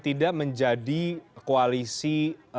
tidak menjadi koalisi